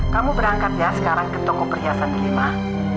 kamu berangkat ya sekarang ke toko perhiasan lima